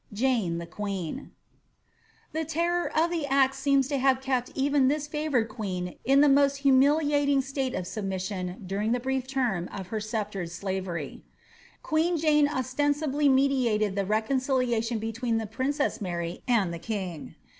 ltS\f)& iif^<^^^^^ The terror of the axe seems to have kept even this favoured queen in the most humiliating state of submission during the brief term of her sceptred slavery. Queen Jane ostensibly mediated the reconciliation between the prinoesi Mary and the king.